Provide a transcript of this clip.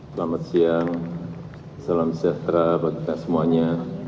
selamat siang salam sejahtera bagi kita semuanya